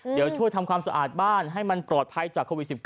เดี๋ยวช่วยทำความสะอาดบ้านให้มันปลอดภัยจากโควิด๑๙